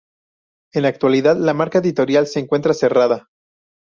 En la actualidad la marca editorial se encuentra cerrada.